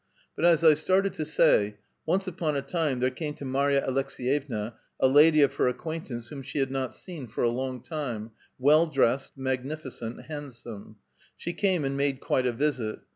But as 1 started to say, once upon a tune, there came to Marya Aleks^yevna a lady of her ac quaintance whom she had not seen for a long time, well dressed, magnificent, handsome ; she came and made quite a visit.